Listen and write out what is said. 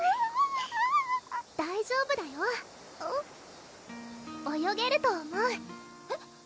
大丈夫だよ泳げると思うえっ？